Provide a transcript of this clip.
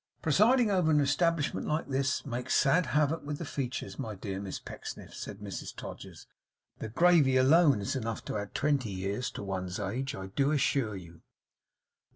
'Presiding over an establishment like this, makes sad havoc with the features, my dear Miss Pecksniffs,' said Mrs Todgers. 'The gravy alone, is enough to add twenty years to one's age, I do assure you.